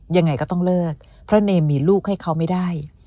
ยังไงก็ต้องเลิกเพราะเนมมีลูกให้เขาไม่ได้